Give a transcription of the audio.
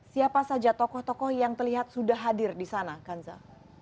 siapa saja tokoh tokoh yang terlihat sudah hadir di sana kanza